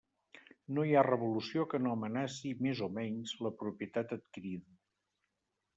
No hi ha revolució que no amenaci més o menys la propietat adquirida.